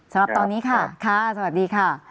สำหรับตอนนี้ค่ะค่ะสวัสดีค่ะ